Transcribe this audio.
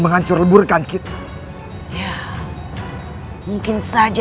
mereka bisa menempati tempat disana